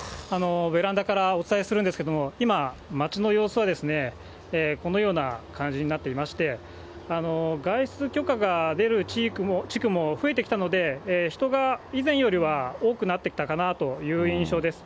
ベランダからお伝えするんですけれども、今、街の様子はですね、このような感じになっていまして、外出許可が出る地区も増えてきたので、人が以前よりは多くなってきたかなという印象です。